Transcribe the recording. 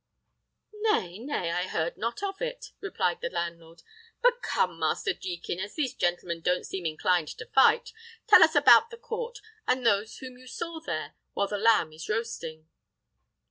"Nay, nay, I heard not of it," replied the landlord. "But come, Master Jekin, as these gentlemen don't seem inclined to fight, tell us all about the court, and those whom you saw there, while the lamb is roasting."